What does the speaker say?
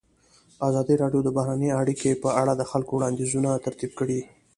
ازادي راډیو د بهرنۍ اړیکې په اړه د خلکو وړاندیزونه ترتیب کړي.